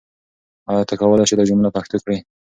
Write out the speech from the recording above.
آیا ته کولای سې دا جمله پښتو کړې؟